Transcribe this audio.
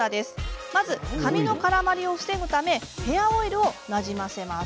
まず、髪の絡まりを防ぐためヘアオイルをなじませます。